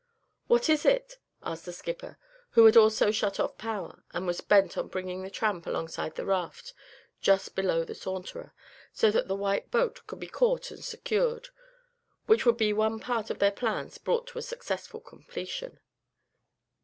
"What is it?" asked the skipper, who had also shut off power, and was bent on bringing the Tramp alongside the raft just below the Saunterer; so that the white boat could be caught and secured, which would be one part of their plans brought to a successful completion.